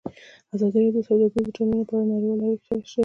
ازادي راډیو د سوداګریز تړونونه په اړه نړیوالې اړیکې تشریح کړي.